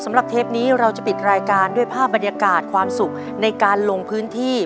เทปนี้เราจะปิดรายการด้วยภาพบรรยากาศความสุขในการลงพื้นที่